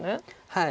はい。